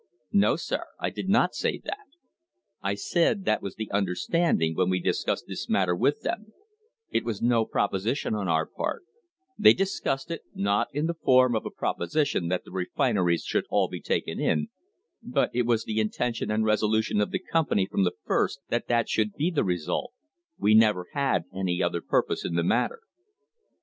No, sir; I did not say that; I said that was the understanding when we discussed this matter with them; it was no proposition on our part; they discussed it, not in the form of a proposition that the refineries should be all taken in, but it was the THE HISTORY OF THE STANDARD OIL COMPANY intention and resolution of the company from the first that that should be the result; we never had any other purpose in the matter.